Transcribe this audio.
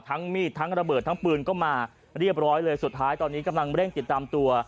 มีดทั้งระเบิดทั้งปืนก็มาเรียบร้อยเลยสุดท้ายตอนนี้กำลังเร่งติดตามตัว